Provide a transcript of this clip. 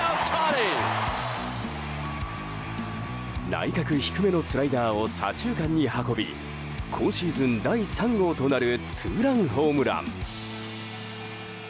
内角低めのスライダーを左中間に運び今シーズン第３号となるツーランホームラン。